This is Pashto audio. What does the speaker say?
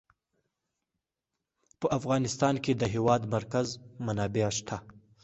په افغانستان کې د د هېواد مرکز منابع شته.